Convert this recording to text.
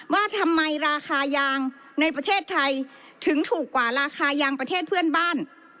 ว่าทำไมราคายางในประเทศไทยถึงถูกกว่าราคายางประเทศเพื่อนบ้าน